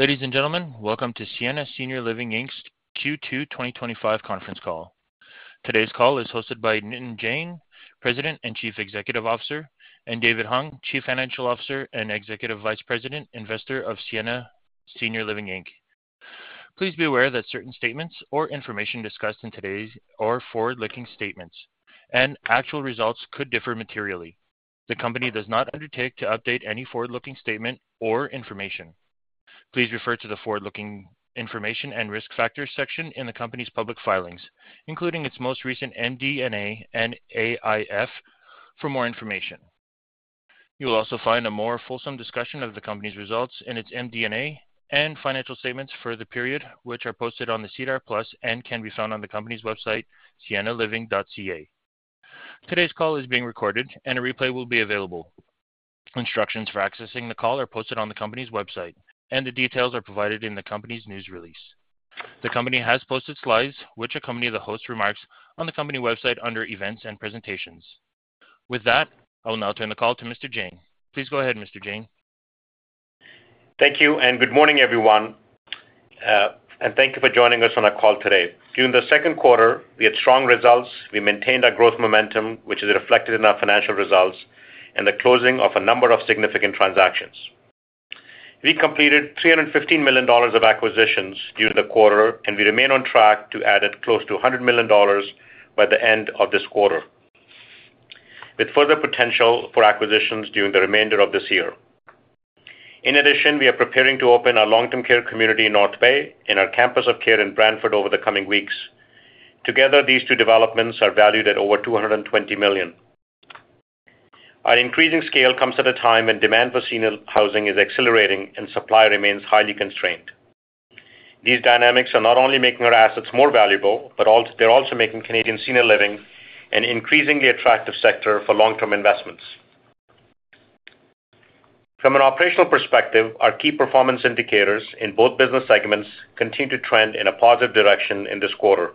Ladies and gentlemen, welcome to Sienna Senior Living Inc.'s Q2 2025 Conference Call. Today's call is hosted by Nitin Jain, President and Chief Executive Officer, and David Hung, Chief Financial Officer and Executive Vice President, Investor of Sienna Senior Living Inc. Please be aware that certain statements or information discussed in today's call are forward-looking statements, and actual results could differ materially. The company does not undertake to update any forward-looking statement or information. Please refer to the forward-looking information and risk factors section in the company's public filings, including its most recent MD&A and AIF, for more information. You will also find a more fulsome discussion of the company's results in its MD&A and financial statements for the period, which are posted on the SEDAR+ and can be found on the company's website, siennaliving.ca. Today's call is being recorded, and a replay will be available. Instructions for accessing the call are posted on the company's website, and the details are provided in the company's news release. The company has posted slides, which accompany the host's remarks on the company website under Events and Presentations. With that, I will now turn the call to Mr. Jain. Please go ahead, Mr. Jain. Thank you, and good morning, everyone. Thank you for joining us on our call today. During the second quarter, we had strong results. We maintained our growth momentum, which is reflected in our financial results and the closing of a number of significant transactions. We completed $315 million of acquisitions during the quarter, and we remain on track to add close to $100 million by the end of this quarter, with further potential for acquisitions during the remainder of this year. In addition, we are preparing to open our long-term care community in North Bay and our campus of care in Brantford over the coming weeks. Together, these two developments are valued at over $220 million. Our increasing scale comes at a time when demand for senior housing is accelerating and supply remains highly constrained. These dynamics are not only making our assets more valuable, but they're also making Canadian senior living an increasingly attractive sector for long-term investments. From an operational perspective, our key performance indicators in both business segments continue to trend in a positive direction in this quarter.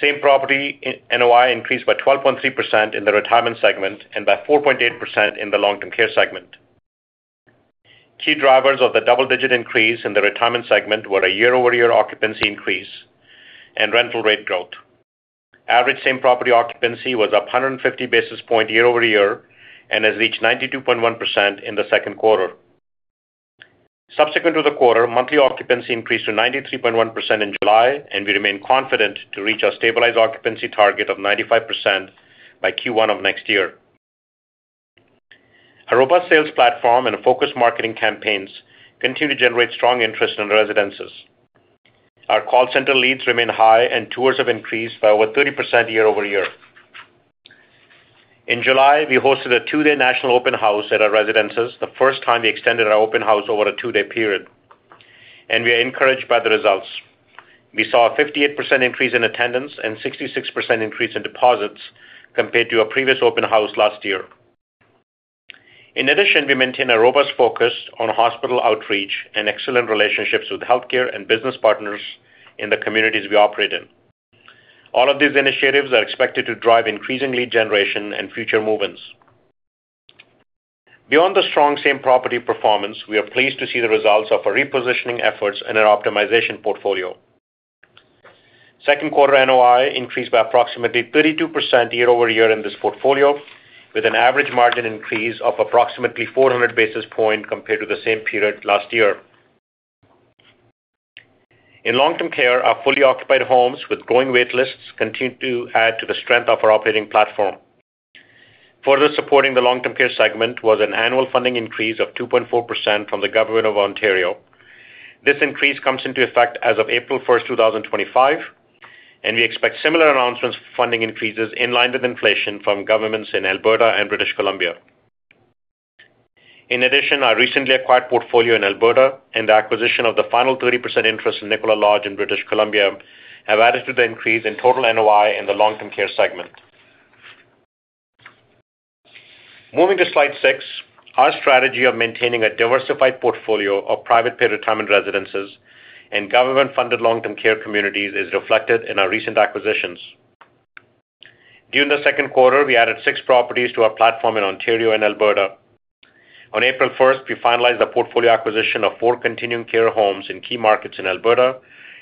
Same property NOI increased by 12.3% in the retirement segment and by 4.8% in the long-term care segment. Key drivers of the double-digit increase in the retirement segment were a year-over-year occupancy increase and rental rate growth. Average same property occupancy was up 150 basis points year-over-year and has reached 92.1% in the second quarter. Subsequent to the quarter, monthly occupancy increased to 93.1% in July, and we remain confident to reach our stabilized occupancy target of 95% by Q1 of next year. Our robust sales platform and focused marketing campaigns continue to generate strong interest in residences. Our call center leads remain high, and tours have increased by over 30% year-over-year. In July, we hosted a two-day national open house at our residences, the first time we extended our open house over a two-day period, and we are encouraged by the results. We saw a 58% increase in attendance and a 66% increase in deposits compared to our previous open house last year. In addition, we maintain a robust focus on hospital outreach and excellent relationships with healthcare and business partners in the communities we operate in. All of these initiatives are expected to drive increasing lead generation and future movements. Beyond the strong same property performance, we are pleased to see the results of our repositioning efforts in our optimization portfolio. Second quarter NOI increased by approximately 32% year-over-year in this portfolio, with an average margin increase of approximately 400 basis points compared to the same period last year. In long-term care, our fully occupied homes with growing waitlists continue to add to the strength of our operating platform. Further supporting the long-term care segment was an annual funding increase of 2.4% from the Government of Ontario. This increase comes into effect as of April 1st, 2025, and we expect similar announcements for funding increases in line with inflation from governments in Alberta and British Columbia. In addition, our recently acquired portfolio in Alberta and the acquisition of the final 30% interest in Nicola Lodge in British Columbia have added to the increase in total NOI in the long-term care segment. Moving to slide six, our strategy of maintaining a diversified portfolio of private paid retirement residences and government-funded long-term care communities is reflected in our recent acquisitions. During the second quarter, we added six properties to our platform in Ontario and Alberta. On April 1st, we finalized the portfolio acquisition of four continuing care homes in key markets in Alberta,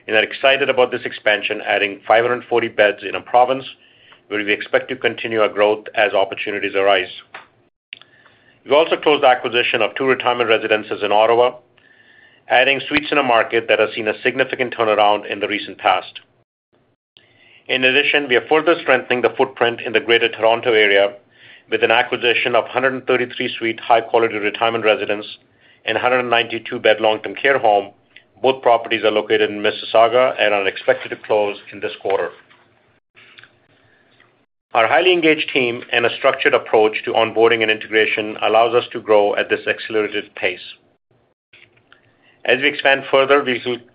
and are excited about this expansion, adding 540 beds in a province where we expect to continue our growth as opportunities arise. We also closed the acquisition of two retirement residences in Ottawa, adding suites in a market that has seen a significant turnaround in the recent past. In addition, we are further strengthening the footprint in the Greater Toronto Area with an acquisition of a 133-suite high-quality retirement residence and a 192-bed long-term care home. Both properties are located in Mississauga and are expected to close in this quarter. Our highly engaged team and a structured approach to onboarding and integration allow us to grow at this accelerated pace. As we expand further,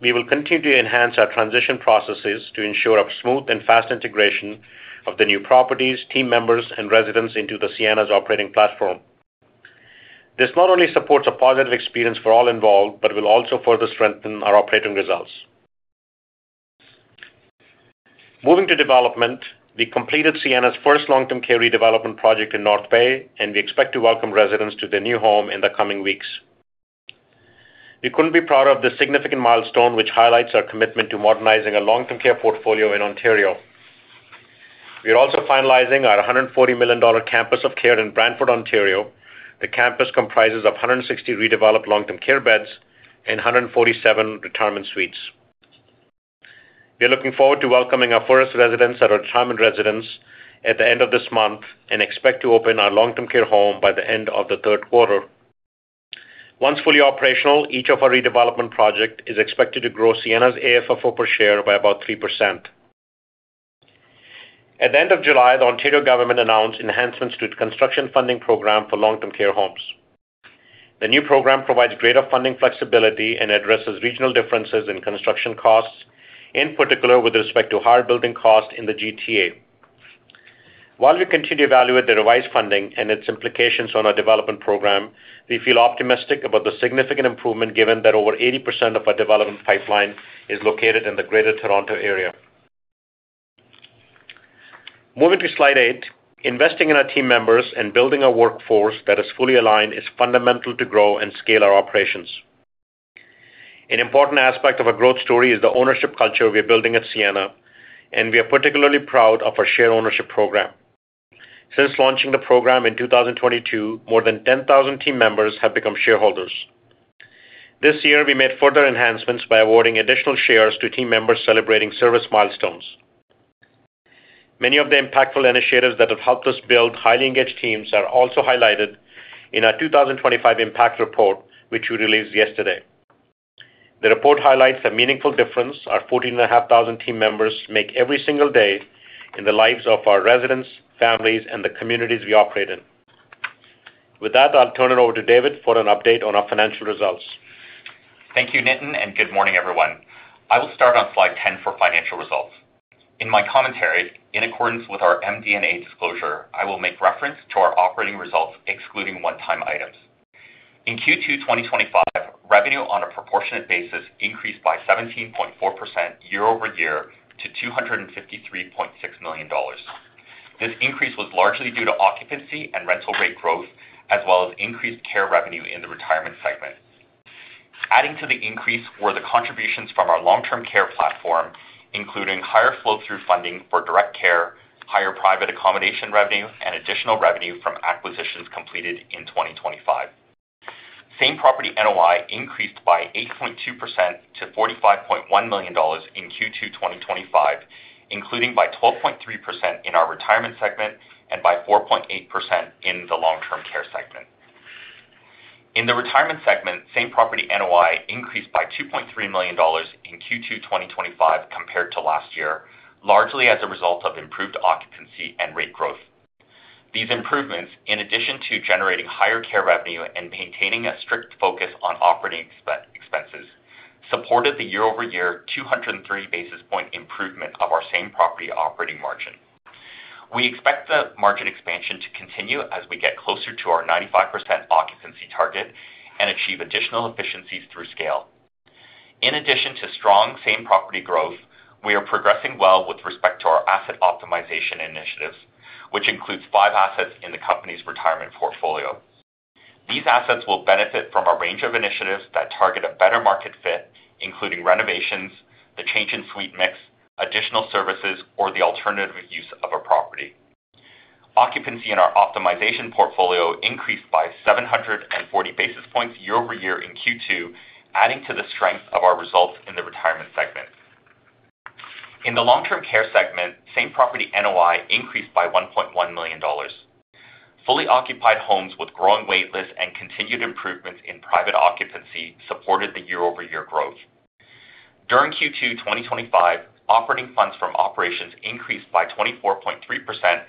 we will continue to enhance our transition processes to ensure a smooth and fast integration of the new properties, team members, and residents into Sienna's operating platform. This not only supports a positive experience for all involved, but will also further strengthen our operating results. Moving to development, we completed Sienna's first long-term care redevelopment project in North Bay, and we expect to welcome residents to their new home in the coming weeks. We couldn't be prouder of this significant milestone, which highlights our commitment to modernizing our long-term care portfolio in Ontario. We are also finalizing our $140 million campus of care in Brantford, Ontario. The campus comprises 160 redeveloped long-term care beds and 147 retirement suites. We are looking forward to welcoming our first residents at our retirement residence at the end of this month and expect to open our long-term care home by the end of the third quarter. Once fully operational, each of our redevelopment projects is expected to grow Sienna's AFFO per share by about 3%. At the end of July, the Ontario government announced enhancements to its construction funding program for long-term care homes. The new program provides greater funding flexibility and addresses regional differences in construction costs, in particular with respect to higher building costs in the Greater Toronto Area. While we continue to evaluate the revised funding and its implications on our development program, we feel optimistic about the significant improvement given that over 80% of our development pipeline is located in the Greater Toronto Area. Moving to slide eight, investing in our team members and building our workforce that is fully aligned is fundamental to grow and scale our operations. An important aspect of our growth story is the ownership culture we are building at Sienna, and we are particularly proud of our share ownership program. Since launching the program in 2022, more than 10,000 team members have become shareholders. This year, we made further enhancements by awarding additional shares to team members celebrating service milestones. Many of the impactful initiatives that have helped us build highly engaged teams are also highlighted in our 2025 impact report, which we released yesterday. The report highlights a meaningful difference: our 14,500 team members make every single day in the lives of our residents, families, and the communities we operate in. With that, I'll turn it over to David for an update on our financial results. Thank you, Nitin, and good morning, everyone. I will start on slide 10 for financial results. In my commentary, in accordance with our MD&A disclosure, I will make reference to our operating results, excluding one-time items. In Q2 2025, revenue on a proportionate basis increased by 17.4% year-over-year to $253.6 million. This increase was largely due to occupancy and rental rate growth, as well as increased care revenue in the retirement segment. Adding to the increase were the contributions from our long-term care platform, including higher flow-through funding for direct care, higher private accommodation revenue, and additional revenue from acquisitions completed in 2025. Same property NOI increased by 8.2% to $45.1 million in Q2 2025, including by 12.3% in our retirement segment and by 4.8% in the long-term care segment. In the retirement segment, same property NOI increased by $2.3 million in Q2 2025 compared to last year, largely as a result of improved occupancy and rate growth. These improvements, in addition to generating higher care revenue and maintaining a strict focus on operating expenses, supported the year-over-year 203 basis point improvement of our same property operating margin. We expect the market expansion to continue as we get closer to our 95% occupancy target and achieve additional efficiencies through scale. In addition to strong same property growth, we are progressing well with respect to our asset optimization initiatives, which includes five assets in the company's retirement portfolio. These assets will benefit from a range of initiatives that target a better market fit, including renovations, a change in suite mix, additional services, or the alternative use of a property. Occupancy in our optimization portfolio increased by 740 basis points year-over-year in Q2, adding to the strength of our results in the retirement segment. In the long-term care segment, same property NOI increased by $1.1 million. Fully occupied homes with growing waitlists and continued improvements in private occupancy supported the year-over-year growth. During Q2 2025, Operating Funds From Operations increased by 24.3%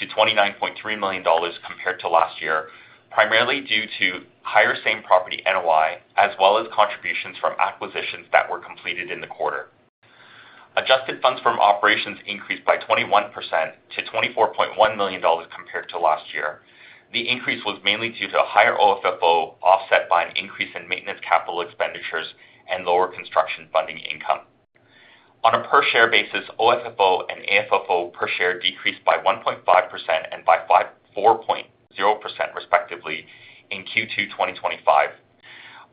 to $29.3 million compared to last year, primarily due to higher same property NOI, as well as contributions from acquisitions that were completed in the quarter. Adjusted funds from operations increased by 21% to $24.1 million compared to last year. The increase was mainly due to a higher OFFO, offset by an increase in maintenance capital expenditures and lower construction funding income. On a per-share basis, OFFO and AFFO per share decreased by 1.5% and by 4.0%, respectively, in Q2 2025.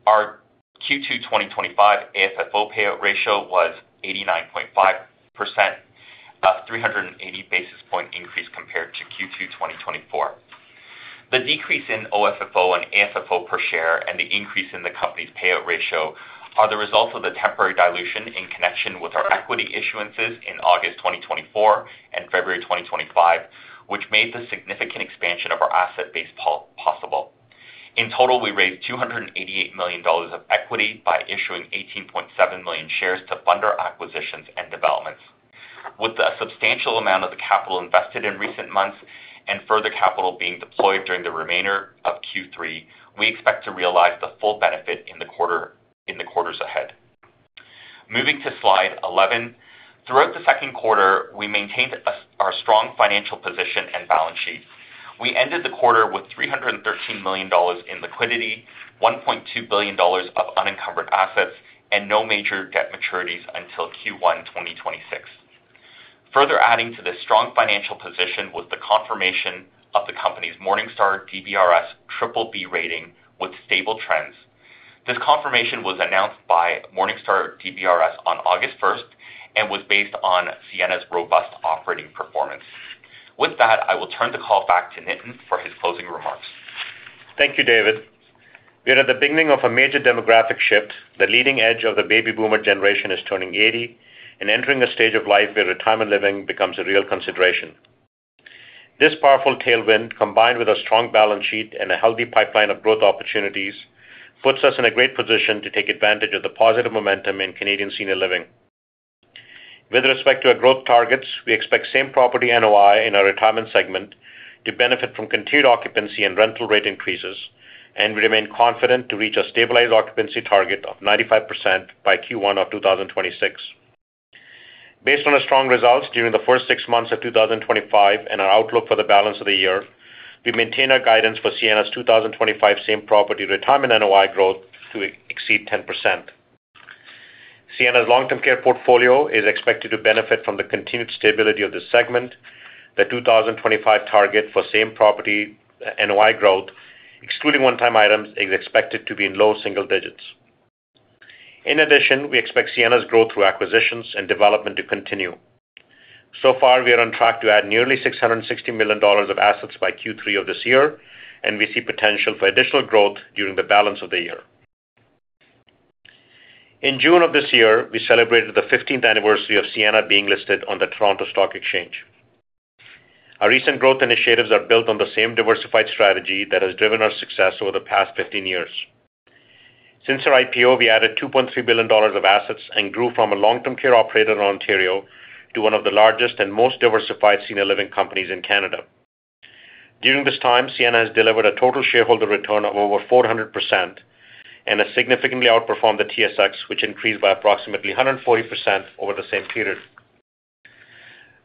Our Q2 2025 AFFO payout ratio was 89.5%, a 380 basis point increase compared to Q2 2024. The decrease in OFFO and AFFO per share and the increase in the company's payout ratio are the result of the temporary dilution in connection with our equity issuances in August 2024 and February 2025, which made the significant expansion of our asset base possible. In total, we raised $288 million of equity by issuing 18.7 million shares to fund our acquisitions and developments. With a substantial amount of the capital invested in recent months and further capital being deployed during the remainder of Q3, we expect to realize the full benefit in the quarters ahead. Moving to slide 11, throughout the second quarter, we maintained our strong financial position and balance sheet. We ended the quarter with $313 million in liquidity, $1.2 billion of unencumbered assets, and no major debt maturities until Q1 2026. Further adding to this strong financial position was the confirmation of the company's Morningstar DBRS BBB rating with stable trends. This confirmation was announced by Morningstar DBRS on August 1st and was based on Sienna's robust operating performance. With that, I will turn the call back to Nitin for his closing remarks. Thank you, David. We are at the beginning of a major demographic shift. The leading edge of the Baby Boomer generation is turning 80 and entering a stage of life where retirement living becomes a real consideration. This powerful tailwind, combined with a strong balance sheet and a healthy pipeline of growth opportunities, puts us in a great position to take advantage of the positive momentum in Canadian senior living. With respect to our growth targets, we expect same property NOI in our retirement segment to benefit from continued occupancy and rental rate increases, and we remain confident to reach a stabilized occupancy target of 95% by Q1 of 2026. Based on our strong results during the first six months of 2025 and our outlook for the balance of the year, we maintain our guidance for Sienna's 2025 same property retirement NOI growth to exceed 10%. Sienna's long-term care portfolio is expected to benefit from the continued stability of this segment. The 2025 target for same property NOI growth, excluding one-time items, is expected to be in low single digits. In addition, we expect Sienna's growth through acquisitions and development to continue. We are on track to add nearly $660 million of assets by Q3 of this year, and we see potential for additional growth during the balance of the year. In June of this year, we celebrated the 15th anniversary of Sienna being listed on the Toronto Stock Exchange. Our recent growth initiatives are built on the same diversified strategy that has driven our success over the past 15 years. Since our IPO, we added $2.3 billion of assets and grew from a long-term care operator in Ontario to one of the largest and most diversified senior living companies in Canada. During this time, Sienna has delivered a total shareholder return of over 400% and has significantly outperformed the TSX, which increased by approximately 140% over the same period.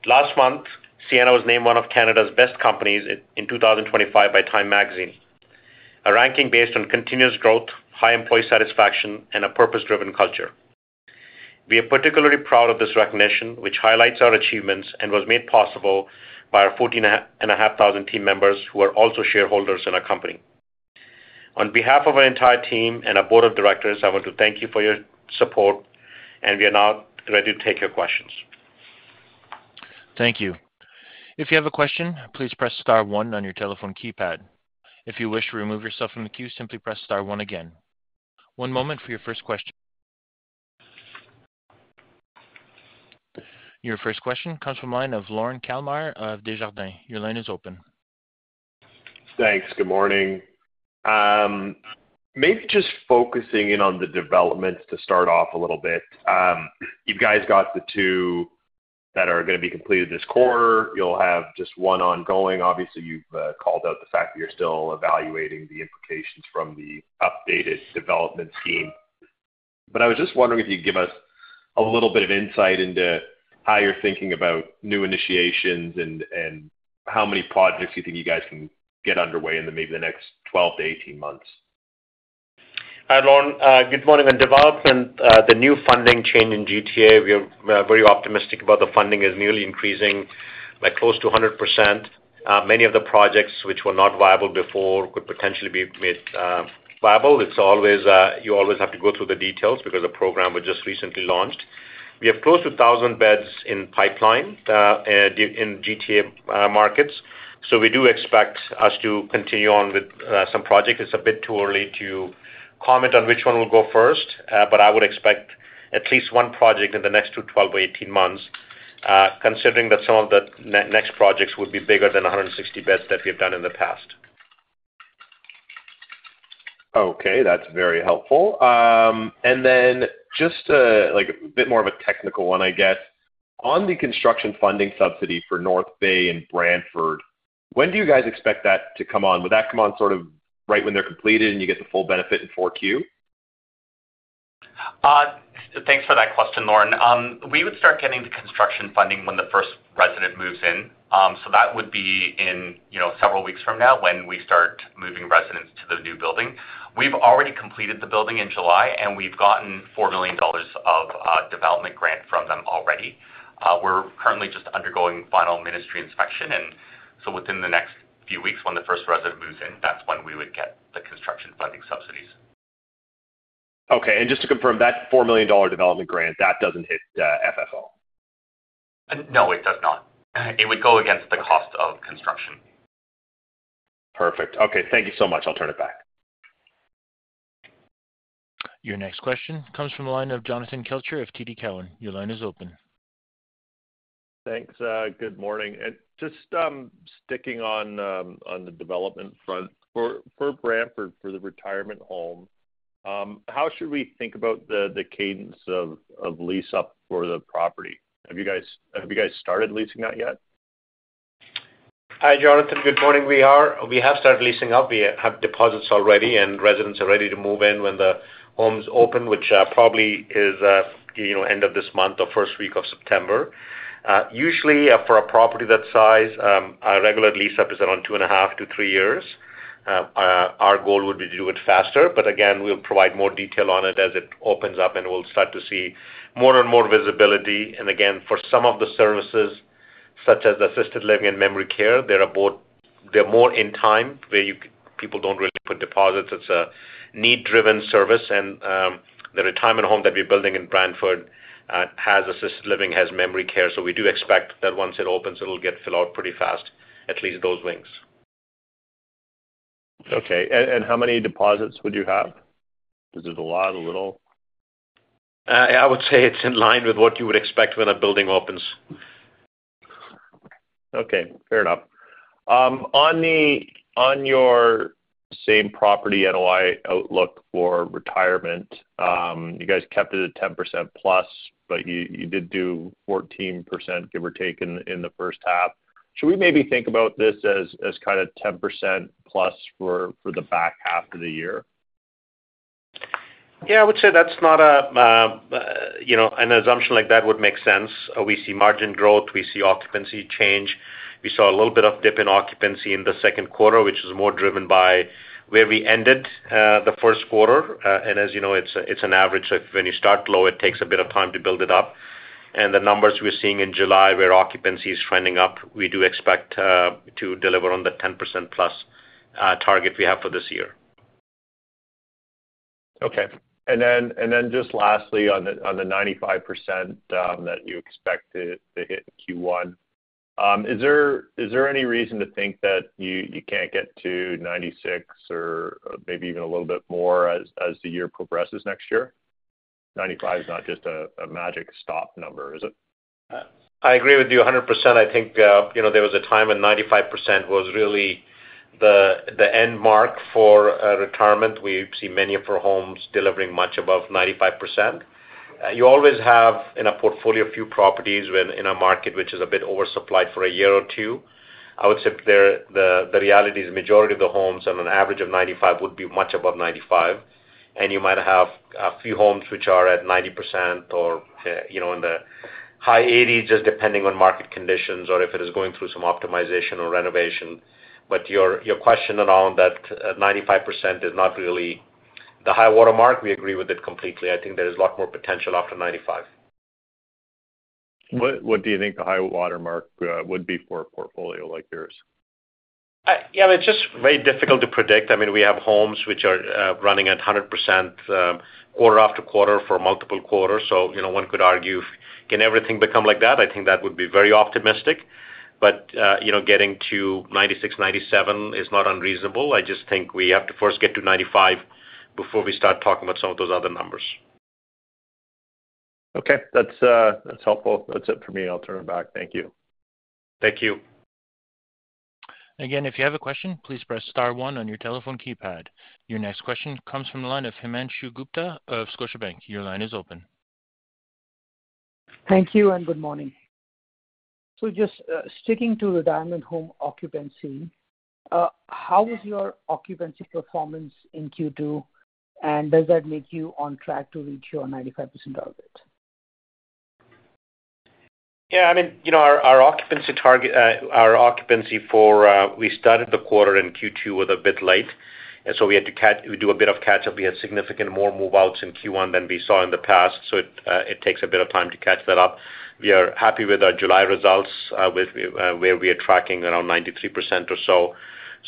Last month, Sienna was named one of Canada's best companies in 2025 by Time Magazine, a ranking based on continuous growth, high employee satisfaction, and a purpose-driven culture. We are particularly proud of this recognition, which highlights our achievements and was made possible by our 14,500 team members who are also shareholders in our company. On behalf of our entire team and our board of directors, I want to thank you for your support, and we are now ready to take your questions. Thank you. If you have a question, please press star one on your telephone keypad. If you wish to remove yourself from the queue, simply press star one again. One moment for your first question. Your first question comes from the line of Lorne Kalmar of Desjardins. Your line is open. Thanks. Good morning. Maybe just focusing in on the developments to start off a little bit. You guys got the two that are going to be completed this quarter. You'll have just one ongoing. Obviously, you've called out the fact that you're still evaluating the implications from the updated development scheme. I was just wondering if you could give us a little bit of insight into how you're thinking about new initiations and how many projects you think you guys can get underway in maybe the next 12-18 months. Hi, Lorne. Good morning. On development and the new funding change in the GTA, we are very optimistic about the funding as it is nearly increasing by close to 100%. Many of the projects which were not viable before could potentially be made viable. You always have to go through the details because the program was just recently launched. We have close to 1,000 beds in the pipeline in GTA markets, so we do expect us to continue on with some projects. It's a bit too early to comment on which one will go first, but I would expect at least one project in the next 12-18 months, considering that some of the next projects would be bigger than 160 beds that we have done in the past. Okay, that's very helpful. Just a bit more of a technical one, I guess. On the construction funding subsidy for North Bay and Brantford, when do you guys expect that to come on? Would that come on right when they're completed and you get the full benefit in 4Q? Thanks for that question, Lorne. We would start getting the construction funding when the first resident moves in. That would be in several weeks from now when we start moving residents to the new building. We've already completed the building in July, and we've gotten $4 million of development grant from them already. We're currently just undergoing final ministry inspection, and within the next few weeks, when the first resident moves in, that's when we would get the construction funding subsidies. Okay, just to confirm, that $4 million development grant doesn't hit FFO. No, it does not. It would go against the cost of construction. Perfect. Okay, thank you so much. I'll turn it back. Your next question comes from the line of Jonathan Kelcher of TD Cowen. Your line is open. Thanks. Good morning. Just sticking on the development front, for Brantford, for the retirement home, how should we think about the cadence of lease up for the property? Have you guys started leasing that yet? Hi, Jonathan. Good morning. We have started leasing up. We have deposits already, and residents are ready to move in when the homes open, which probably is the end of this month or first week of September. Usually, for a property that size, a regular lease up is around two and a half to three years. Our goal would be to do it faster, but we'll provide more detail on it as it opens up, and we'll start to see more and more visibility. For some of the services, such as the assisted living and memory care, they're more in time where people don't really put deposits. It's a need-driven service, and the retirement home that we're building in Brantford has assisted living, has memory care. We do expect that once it opens, it'll get filled out pretty fast, at least those wings. Okay, how many deposits would you have? Is it a lot, a little? I would say it's in line with what you would expect when a building opens. Okay, fair enough. On your same property NOI outlook for retirement, you guys kept it at 10%+, but you did do 14%, give or take, in the first half. Should we maybe think about this as kind of 10%+ for the back half of the year? Yeah, I would say that's not an assumption like that would make sense. We see margin growth, we see occupancy change. We saw a little bit of dip in occupancy in the second quarter, which is more driven by where we ended the first quarter. As you know, it's an average that when you start low, it takes a bit of time to build it up. The numbers we're seeing in July where occupancy is trending up, we do expect to deliver on the 10%+ target we have for this year. Okay, and then just lastly, on the 95% that you expect to hit in Q1, is there any reason to think that you can't get to 96% or maybe even a little bit more as the year progresses next year? 95% is not just a magic stop number, is it? I agree with you 100%. I think there was a time when 95% was really the end mark for retirement. We've seen many of our homes delivering much above 95%. You always have in a portfolio a few properties in a market which is a bit oversupplied for a year or two. I would say the reality is the majority of the homes and an average of 95% would be much above 95%. You might have a few homes which are at 90% or in the high 80s%, just depending on market conditions or if it is going through some optimization or renovation. Your question around that 95% is not really the high watermark. We agree with it completely. I think there is a lot more potential after 95%. What do you think the high watermark would be for a portfolio like yours? Yeah, I mean, it's just very difficult to predict. We have homes which are running at 100% quarter after quarter for multiple quarters. You know, one could argue, can everything become like that? I think that would be very optimistic. You know, getting to 96%, 97% is not unreasonable. I just think we have to first get to 95% before we start talking about some of those other numbers. Okay, that's helpful. That's it for me. I'll turn it back. Thank you. Thank you. Again, if you have a question, please press star one on your telephone keypad. Your next question comes from the line of Himanshu Gupta of Scotiabank. Your line is open. Thank you and good morning. Just sticking to retirement home occupancy, how was your occupancy performance in Q2? Does that make you on track to reach your 95% target? Yeah, I mean, you know, our occupancy target, our occupancy for, we started the quarter in Q2 a bit late. We had to do a bit of catch-up. We had significantly more move-outs in Q1 than we saw in the past. It takes a bit of time to catch that up. We are happy with our July results where we are tracking around 93% or so.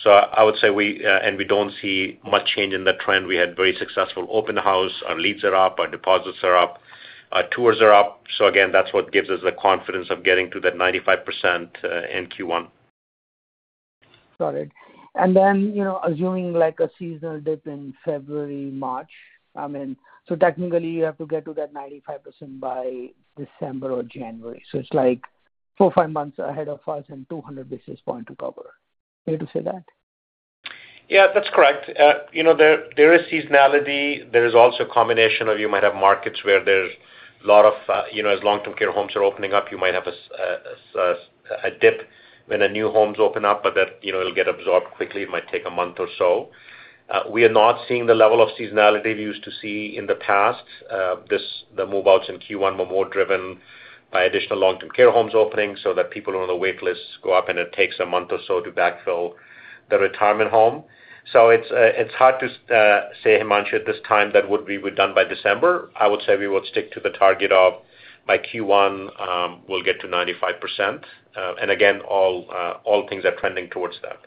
I would say we don't see much change in the trend. We had a very successful open house. Our leads are up, our deposits are up, our tours are up. That's what gives us the confidence of getting to that 95% in Q1. Got it. Assuming like a seasonal dip in February, March, I mean, technically you have to get to that 95% by December or January. It's like four or five months ahead of us and 200 basis points to cover. Would you like to say that? Yeah, that's correct. There is seasonality. There is also a combination of you might have markets where there's a lot of, as long-term care homes are opening up, you might have a dip when the new homes open up, but that'll get absorbed quickly. It might take a month or so. We are not seeing the level of seasonality we used to see in the past. The move-outs in Q1 were more driven by additional long-term care homes opening so that people on the waitlists go up and it takes a month or so to backfill the retirement home. It's hard to say, Himanshu, at this time that would be done by December. I would say we would stick to the target of by Q1, we'll get to 95%. All things are trending towards that.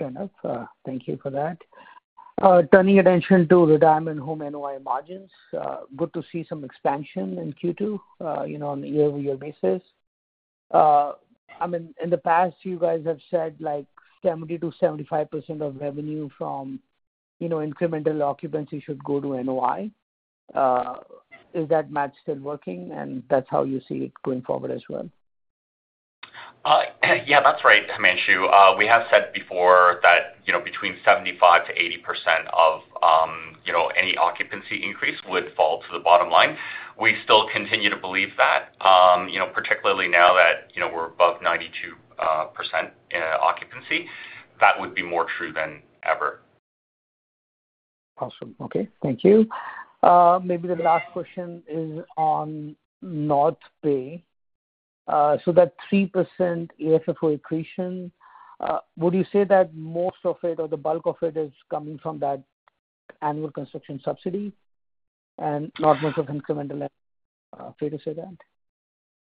Okay, nice. Thank you for that. Turning attention to retirement home NOI margins, good to see some expansion in Q2, you know, on a year-over-year basis. In the past, you guys have said like 70%-75% of revenue from, you know, incremental occupancy should go to NOI. Is that math still working? That's how you see it going forward as well? Yeah, that's right, Himanshu. We have said before that between 75%-80% of any occupancy increase would fall to the bottom line. We still continue to believe that, particularly now that we're above 92% occupancy, that would be more true than ever. Awesome. Okay, thank you. Maybe the last question is on North Bay. That 3% AFFO accretion, would you say that most of it or the bulk of it is coming from that annual construction subsidy and not much of incremental? Fair to say that?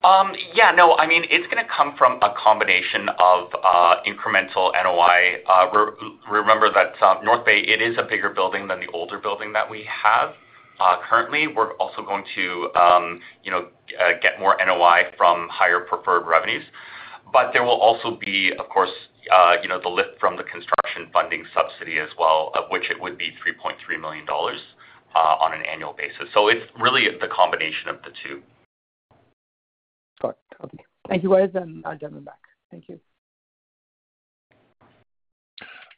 Yeah, no, I mean, it's going to come from a combination of incremental NOI. Remember that North Bay, it is a bigger building than the older building that we have currently. We're also going to get more NOI from higher preferred revenues. There will also be, of course, the lift from the construction funding subsidy as well, of which it would be $3.3 million on an annual basis. It's really the combination of the two. Okay, thank you, guys. I'll turn it back. Thank you.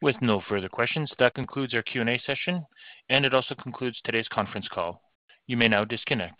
With no further questions, that concludes our Q&A session, and it also concludes today's Conference call. You may now disconnect.